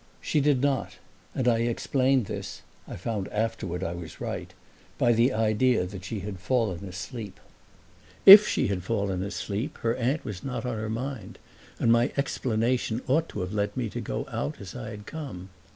She did not, and I explained this (I found afterward I was right) by the idea that she had fallen asleep. If she had fallen asleep her aunt was not on her mind, and my explanation ought to have led me to go out as I had come.